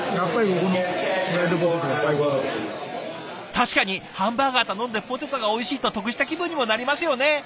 確かにハンバーガー頼んでポテトがおいしいと得した気分にもなりますよね！